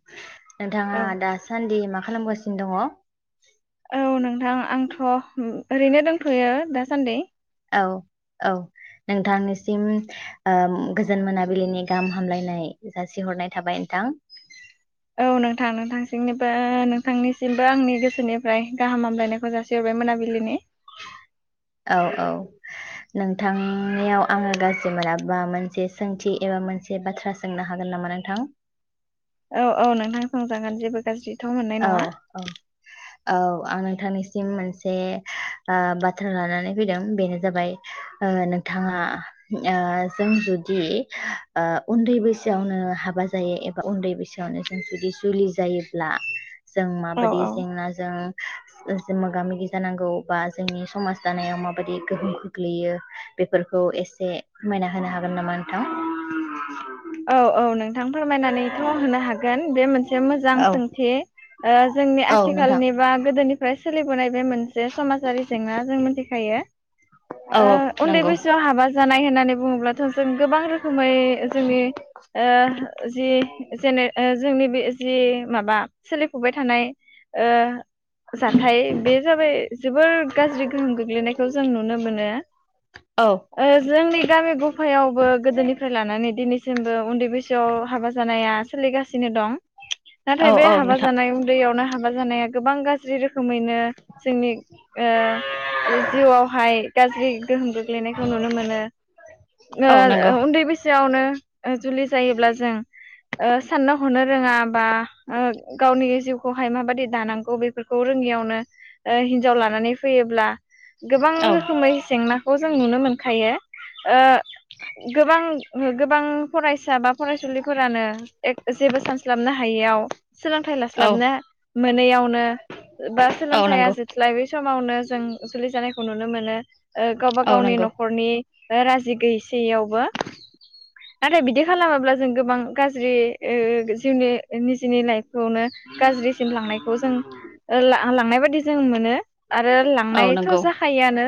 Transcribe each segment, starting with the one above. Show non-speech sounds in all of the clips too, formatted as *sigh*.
*inaudible* औ नोंथाङा दासान्दि मा खालामगासि दङ? औ नोंथां आंथ' ओरैनो दोंथ'यो दासान्दि। औ औ नोंथांनिसिम ओम गोजोन मोनाबिलिनि गाहाम हामलायनाय जासिहरनाय थाबाय नोंथां। औ नोंथां नोंथांसिमनिबो नोंथांनिसिमबो आंनि गोसोनिफ्राय गाहाम हामलायनायखौ जासिहरबाय मोनाबिलिनि। औ औ, नोंथांनियाव आङो गाज्रि मोनाबा मोनसे सोंथि एबा मोनसे बाथ्रा सोंनो हागोन नामा नोंथां? औ औ नोंथां सोंजागोन जेबो गाज्रि औ औ। औ आं नोंथांनिसिम मोनसे ओ बाथ्रा लानानै फैदों बेनो जाबाय ओ नोंथाङा ओ जों जुदि ओ उन्दै बैसोयावनो हाबा जायो एबा उन्दै बैसोयावनो जों जुदि जुलि जायोब्ला जों औ माबायदि औ जेंनाजों जों मोगा मोगि जानांगौ बा जोंनि समाज दानायाव माबायदि गोहोम खोग्लैयो बेफोरखौ एसे फोरमायना होनो हागोन नामा नोंथां? औ औ नों थां फोरमायनानैथ' होनो हागोन बे मोन से मोजां औ सोंथि। ओ जोंनि औ नोंथां आथिखालनि बा गोदोनि फ्राय सोलिबोनाय बे मोनसे समाजारि जेंना जों मिथिखायो। औ ओ उन्दै नंगौ बैसोयाव हाबा जानाय होन नानै बुङोब्लाथ' जों गोबां रोखोमै जोंनि ओ जि जेनो ओ जोंनि बे जि माबा सोलिफुबाय थानाय ओ जाथाय बे जाबाय जोबोर गाज्रि गोहोम गोग्लैनायखौ जों नुनो मोनो। औ ओ जोंनि गामि गफायावबो गोदोनिफ्राय लानानै दिनै उन्दै बैसोयाव हाबा जानाया सोलि गासिनो दं। औ नाथाय बे औ हाबा नोंथां जानाय उन्दैयावनो हाब हाबा जानाया गोबां गाज्रि रो रोखोमैनो जोंनि ओ जिउआवहाय गाज्रि गोहोम गोग्लैनायखौ नुनो मोनो औ नंगौ ओ उन्दै बैसोआवनो ओ जुलि जायोब्ला जों ओ साननो हनो रोङा बा ओ गावनि जिउखौहाय माबादि दानांगौ बेफोरखौ रोङियावनो ओ हिनजाव लानानै फैयोब्ला गोबां औ रोखोमै जेंनाखौ जों नुनो मोनखायो ओ गोबां गोबां फरायसा बा फरायसुलिफोरानो एक जेबो सानस्लाबनो हायैयाव सोलोंथाइ लास्लाबनो मोनैयावनो बा औ सोलोंथाय *unintelligible* नंगौ जोबस्लाबै समावनो जों जुलि जानाय नुनो मोनो। ओ गावबा औ गावनि नंगौ न'खरनि राजि गिस जि आवबो नाथाय बिदि खालामाब्ला जों गोबां गाज्रि ओ जिउनि निजिनि लाइफ खौनो गाज्रिसिम लांनायखौ जों ओ ला आं लांनाय बायदि जों मोनो। आरो औ लांनायथ' नंगौ जाखायोआनो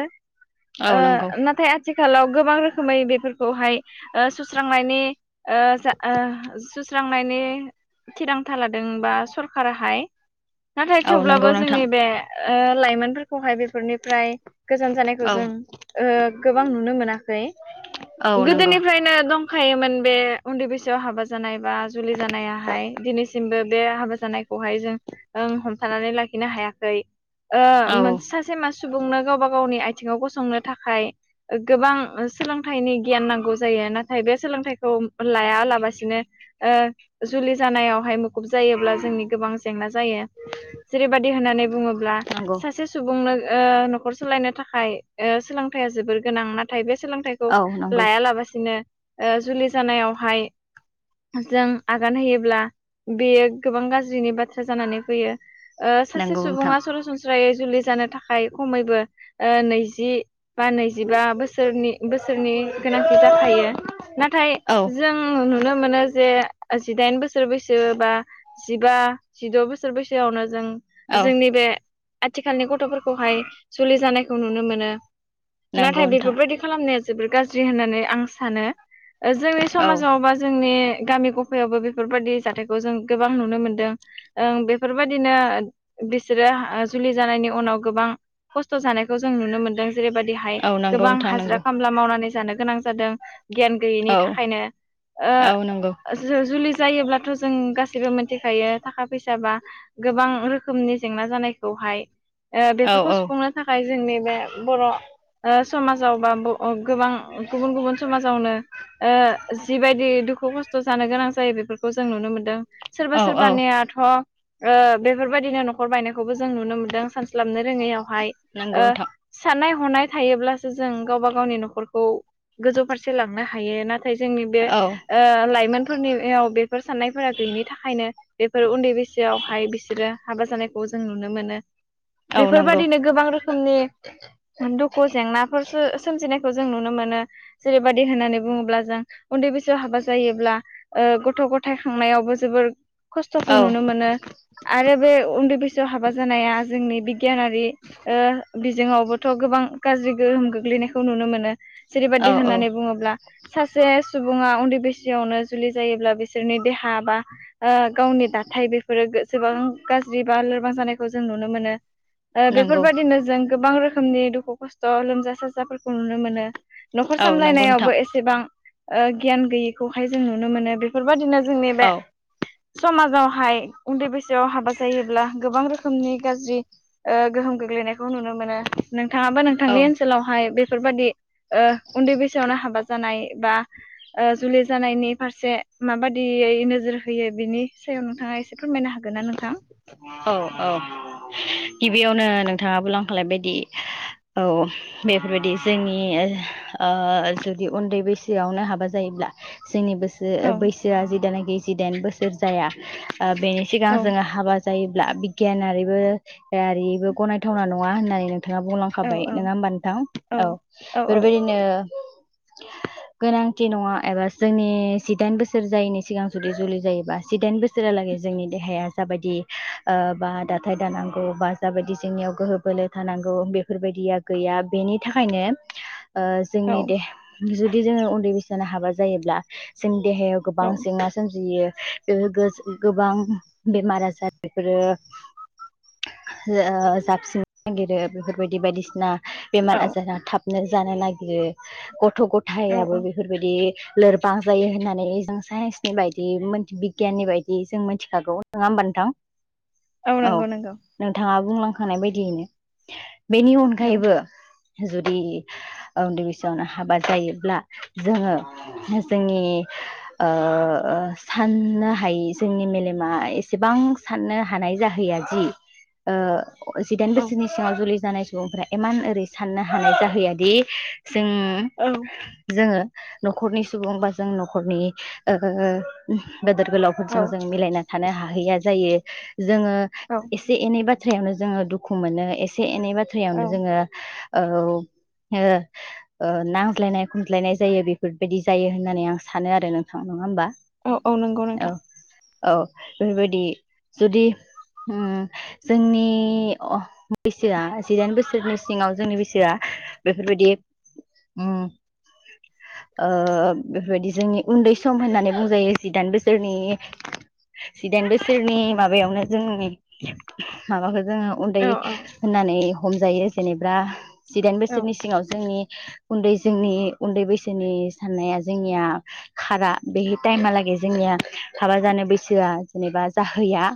औ ओ नंगौ नाथाय आ आथिखालाव गोबां रोखोमै बेफोरखौहाय ओ स्रांनायनि ओ जा ओ सुस्रांनायनि थिरांथा लादोंबा सरखाराहाय नाथाय औ नंगौ थेवब्लाबो नोंथां जोंनि बे ओ लाइफ मोनफोरखौहाय बेफोरनिफ्राय गोजान जानायखौ औ जों ओ गोबां नुनो मोनाखै औ नंगौ गोदोनिफ्रायनो दं खायोमोन बे उन्दै बैसोआव हाबा जानाय बा जुलि जानायाहाय दिनैसिमबो बे हाबा जानायखौहाय जों ओं हमथानानै लाखिनो हायाखै। ओ औ मोनसे सासे मा सुबुंनो गावबा गावनि आयथिङाव गसंनो थाखाय गोबां ओ सोलों थायनि गियान नांगौ जायो ना नाथाय बे सोलोंथाइखौ लायालाबासिनो ओ जुलि जानायावहाय मुखुब जायोब्ला जोंनि गोबां जेंना जायो जेरैबायदि होननानै बुङोब्ला नंगौ सासे सुबुंनो ओ नखर सलायनो थाखाय ओ सोलोंथाया जोबोर गोनां नाथाय बे सोलोंथाइखौ औ नंगौ लायालाबासिनो ओ जुलि जानायावहाय जों आगान होयोब्ला बेयो गोबां गाज्रिनि बा थ्रा जानानै फैयो ओ सासे नंगौ नोंथां सुबुङा सरासनस्रायै जुलि जानो थाखाय खमैबो ओ नैजि बा नैजिबा बोसोरनि बोसोरनि गोनांथि जाखायो। नाथाय औ जों नुनो मोनो जे जिदाइन बोसोर बैसो बा जिबा जिद' बोसोर बैसोआवनो जों औ जोंनि बे आथिखालि गथ' थ'फोरखौ हाय जुलि जानाय खौ नुनो मोनो। नंगौ नाथाय नोंथां बेफोरबायदि खालामनाया जोबोर गाज्रि होननानै आं सानो ओ जोंनि औ समाजाव बा जोंनि गामि गफायावबो बेफोरबायदि जाथायखौ जों गोबां नुनो मोनदों ओं बेफोरबायदिनो बिसोरो ओ जुलि जानायनि उनाव गोबां खस्थ' जानाय खौ जों नुनो मोनदों जेरै बायदिहाय औ नंगौ गोबां नोंथां हाजिरा नंगौ खामला मावनानै जानो गोनां जादों गियान गैयैनि औ थाखायनो ओ औ नंगौ जु-जुलि जायोब्लाथ' जों गासै जेबो मिथिखायो थाखा फैसा बा गोबां रोखोमनि जेंना जानायखौहाय। ओ औ बेफोरखौ औ सुफुंनो थाखाय जोंनि बे बर' ओ समाजाव बाबो अ गोबां गुबुन गुबुन समाज ओ जिबायदि दुखु खस्थ' जानो गोनां जायो बेफोरखौ जों नुनो मोनदों सोरबा औ सोरबा औ निआथ' ओ बेफोरबायदिनो न'खर बायनाय खौबो जों नुनो मोनदों सानस्लाबनो रोङैयावहाय नंगौ ओ नोंथां साननाय हनाय थायोब्लासो जों गावबा गावनि न'खरखौ गोजौ फारसे *unintelligible* लांनो हाय नाथ थाय जोंनि बे औ ओ लाइमोन फोरनियाव बेफोर साननायफोरा गैयिनि थाखायनो बेफोर उन्दै बैसो आवहाय बिसोरो हाबा जानाय खौ जों नुनो मोनो। औ नंगौ बेफोरबादिनो गोबां रोखोमनि दुखु जेंनाफोरसो सोमजिनाय खौ जों नुनो मोनो जेरैबादि होननानै बुङोब्ला जों उन्दै बैसो सोआव हाबा जायोब्ला ओ गथ थ'-गथाय खांनायावबो जोबोर औ खस्थ'खौ नुनो मोनो आरो बे उन्दै बैसोआव हाबा जानाया जोंनि बिगियानारि ओ बिजोङावबोथ गोबां गाज्रि गोहोम गोग्लैनायखौ नुनो मोनो जे औ औ होननानै बुङोब्ला सासे सु सुबुङा उन्दै बैसयावनो जुलि जायोब्ला बिसोरनि देहा बा ओ गावनि दाथाय बेफोरो गो सेबां गाज्रि बा लोर बां जानायखौ जों नुनो मोनो ओ नंगौ बेफोरबायदिनो जों गोबां रो खोमनि दुखु खस्थ लोमजा साजाफोरखौ नुनो मोनो नखर औ नंगौ सामलायनायावबो नोंथां एसेबां ओ गियान गैयिखौहाय जों नुनो मोनो बे बेफोरबायदिनो जोंनि बे औ समाजावहाय उन्दै बैसोआव हाबा जायोब्ला गोबां रोखोमनि गाज्रि ओ गोहोम गोग्लैनाय नुनो मोनो नोंथाङाबो औ नोंथांनि ओनसोलावहाय बे फोरबादि ओ उन्दै बैसोआवनो हाबा जानाय बा ओ जुलि जानायनि फारसे माबादियै नोजोर होयो बिनि सायाव नोंथाङा एसे फोरमायनो हागोन ना नोंथां? औ औ गिबियाव नोंथाङा बुंलांखालायबायदि औ बेफोरबायदि जोंनि ओ जुदि उन्दै बैसोआवनो हाबा जायोब्ला जोंनि बोसो औ बैसोआ जि दाना गि जि दाइन बोसोर जाया ओ बेनि सिगां औ जोङो हाबा जायोब्ला बिगियानारिबो दारिबो गनायथावना न नङा होननानैनो नोंथाङा बुंलांखाबाय औ नङा होमबा नोंथां औ औ औ बेफोरबायदिनो गोनांथि नङा एबा जोंनि जिदाइन बोसोर जायैनि सिगां जुदि जुलि जायोबा जिदाइन बोसोरालागै जोंनि देहाया जाबायदि ओ बा दाथाय दानांगौ बा जाबायदि जोंनियाव गोहो बोलो थानांगौ बेफोरबायदिया गैया बेनि थाखायनो ओ औ जोंनि देहा जुदि जोङो उन्दै बैसोयावनो हाबा जायोब्ला जों देहायाव औ गोबां जेंना सोमजियो बेफोगो जों गोबां बेमार आजार बेफोरो ओ जाबसिननो नागिरो बेफोरबायदि बायदिसिना औ बेमार आजारा थाब नो जानो नागिरो गथ गथ गथायाबो औ बेफोरबायदि लोरबां जायो होननानै जों साइन्सनि बायदि बिगियाननि बायदि जों मिथिखागौ नङाहोनबा नोंथां औ नंगौ नंगौ नोंथाङा बुंलांखानाय बायदियैनो बेनि औ अनगायैबो जुदि उन्दै बैसोआवनो हाबा जायोब्ला जोङो जोंनि ओ साननो हायै जोंनि मेलेमा एसेबां साननो हानाय जाहैया जि ओ जिदाइन औ बोसोरनि सिङाव जुलि जानाय सुबुंफ्रा इमान ओरै साननो हानाय जाहैया दि जों औ जोङो न'खरनि सुबुं बा जों न'खरनि ओ गोदोर औ गोलावफोरजों जों मिलायना थानो हा हैया जायो जोङो औ एसे एनैबा बाथ्रायावनो जोङो दुखु मोनो एसे एनै औ बाथ्रायावनो जोङो औ ओ ओ नांज्लायनाय खमज्लायनाय जायो बेफोरबायदि जायो होननानै आं सानो आरो नोंथां नङा होमबा औ औ नंगौ औ नोंथां औ बेफोरबायदि जुदि उम जोंनि अ बैसोआ जिदाइन बोसोरनि सिङाव जोंनि बैसोआ बेफोरबायदि उम ओ बेफोरबायदि जोंनि उन्दै सम होननानै बुंजायो जिदाइन बोसोरनि जिदाइन बोसोरनि माबायावनो जोंनि माबाखौ जोङो औ उन्दै होननानै हमजायो जेनेबा जिदाइन औ बोसोरनि सिङाव जोंनि उन्दै जोंनि उन्दै बैसोनि साननाया जोंनिया खारा बे टाइमहालागै जोंनिया हाबा जानो बैसोआ जेनेबा जाहैया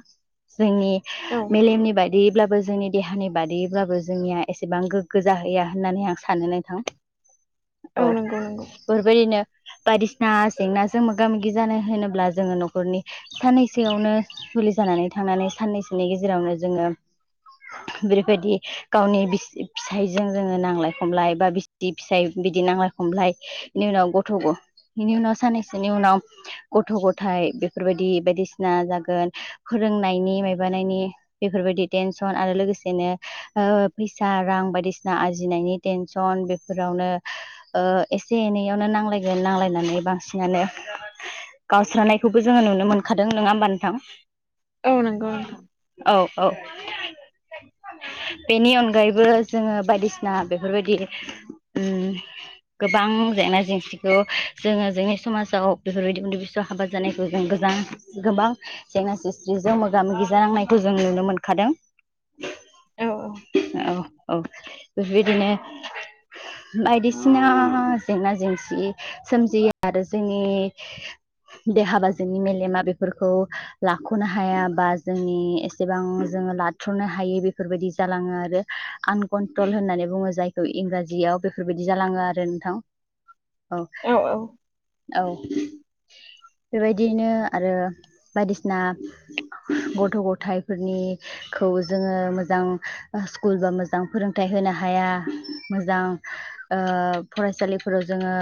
जोंनि औ मेलेमनि बाय बेब्लाबो जोंनि देहानि बादैब्लाबो जोंनिया एसेबां गोग्गो जाहैया होननानै आं सानो नोंथां औ नंगौ नंगौ बेफोरबायदिनो बायदिसिना जेंनाजों मोगा मोगि जानो होनोब्ला जोङो न'खरनि सानै सेयावनो जुलि जानानै थांनानै साननैसोनि गेजेरावनो जोङो बेफोरबायदि गावनि बिसि फिसायजों जोङो नांलाय खमलाय बा बिसि फिसाय बिदि नांलाय खमलाय बिनि उनाव गथ' बिनि उनाव साननैसोनि उनाव गथ' गथायाइ बेफोरबायदि बायदिसिना बायदिसिना जागोन फोरोंनायनि मायबानायनि बेफोरबायदि टेनसन आरो लोगोसेनो फैसा रां बायदिसिना आरजिनायनि टेनसन बेफोरावनो ओ एसे एनैयावनो नांलायगोन नांलायनानै बांसिनानो गावस्रानायखौबो जोङो नुनो मोनखादों दों नङा होमबा नोंथां औ नंगौ नोंथां ओ बेनि अनगायैबो जोङो बायदिसिना बेफोरबायदि गोबां जेंना जेंसिखौ जोङो जोंनि समाजाव बेफोरबायदि उन्दै बिसोआव हाबा जानायखौ जों गोजां गोबां जेंना जेंस्रिजों मोगा मोगि जानांनायखौ जों नुनो मोनखादों औ औ औ औ बेफोरबायदिनो बायदिसिना जेंना जेंसि सोमजियो आरो जोंनि देहाबा जोंनि मेलेमा बे फोरखौ लाख'नो हाया बा जोंनि एसेबां जोङो लाथ्र'नो हायि बेफोरबायदि जालाङो आरो आनकन्ट्रल होननानै बुङो जायखौ इंराजियाव बेफोरबायदि जालाङो आरो नोंथां। औ औ औ बेबायदियैनो आरो बायदिसिना गथ' गथायफोरनिखौ जोङो मोजां स्कुल बा मोजां फोरोंथाइ होनो हाया मोजां ओ फरायसालिफोराव जोङो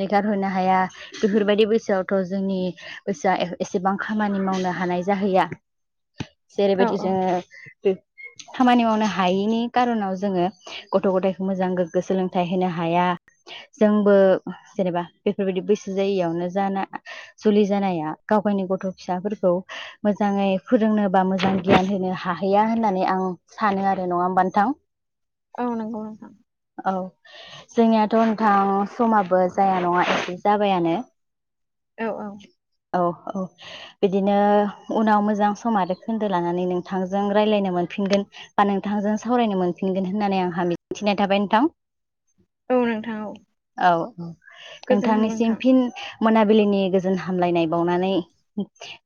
नेगारहरनो हाया बेफोरबायदि बैसोआवथ' जोंनि गोसोआ एसेबां खामानि मावनो हानाय जाहैया। औ जेरैबायदि औ जोङो बे खामानि मावनो हायैनि कार'नाव जोङो गथ' गथायखौ मोजां गोग्गो सोलोंथाइ होनो हाया जोंबो जेनेबा बेफोरबायदि बैसो जायियावनो जाना जुलि जानाया गाव गावनि गथ' फिसाफोरखौ मोजाङै फोरोंनो बा मोजां गियान होनो हाहैया होननानै आं सानो आरो नङा होमबा नोंथां? औ नंगौ नोंथां। औ जोंनियाथ' नोंथां समाबो जाया नङा एसे जाबायानो औ औ औ औ बिदिनो उनाव मोजां सम आरो खोन्दो लानानै नोंथांजों रायलायनो मोनफिनगोन बा नोंथांजों सावरायनो मोनफिनगोन होननानै आंहा मिजिंथिनाय थाबाय नोंथां। औ नोंथां औ औ औ गोजोनथों नोंथांनिसिम नोंथां फिन मोनाबिलिनि गोजोन हामलायनाय बावनानै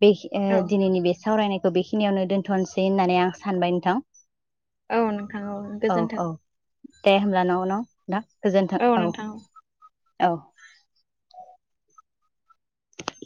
बे औ दिनैनि बे सावरायनाय खौ बेखिनियावनो दोन्थ'नोसै होननानै आं सानबाय नोंथां। औ नोंथां औ गोजोन्थों दे होमब्ला *unintelligible* *unintelligible* गोजोन्थों औ। औ